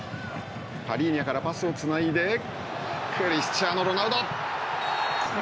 パリーニャからパスをつないでクリスチアーノ・ロナウド。